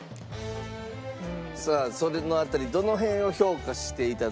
さあそれの辺りどの辺を評価して頂くのか？